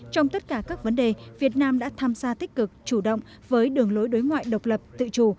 trong tất cả các vấn đề việt nam đã tham gia tích cực chủ động với đường lối đối ngoại độc lập tự chủ